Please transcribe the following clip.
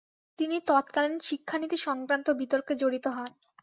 তিনি তৎকালীন শিক্ষানীতি সংক্রান্ত বিতর্কে জড়িত হন।